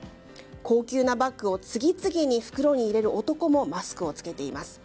高級なバッグを次々に袋に入れる男もマスクを着けています。